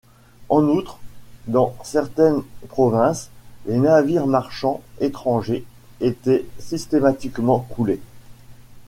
En outre, dans certaines provinces, les navires marchands étrangers étaient systématiquement coulés.